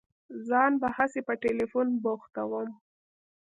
ځان به هسي په ټېلفون بوختوم.